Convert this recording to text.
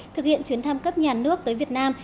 thực hiện chuyến thăm cấp nhà nước tới việt nam